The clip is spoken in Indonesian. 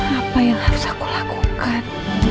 apa yang harus aku lakukan